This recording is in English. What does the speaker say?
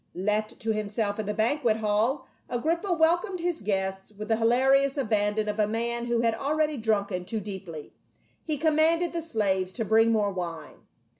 Left to himself in the banquet hall, Agrippa wel comed his guests with the hilarious abandon of a man who had already drunken too deeply. He commanded the slaves to bring more wine.